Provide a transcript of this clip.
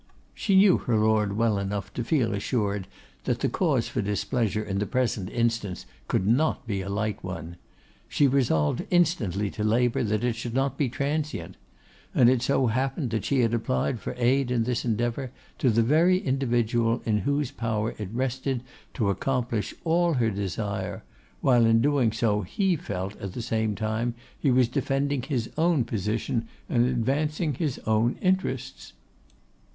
She knew her Lord well enough to feel assured that the cause for displeasure in the present instance could not be a light one; she resolved instantly to labour that it should not be transient; and it so happened that she had applied for aid in this endeavour to the very individual in whose power it rested to accomplish all her desire, while in doing so he felt at the same time he was defending his own position and advancing his own interests.